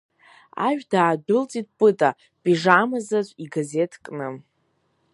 Ашә даадәылҵит Пыта, пижама заҵә, игазеҭ кны.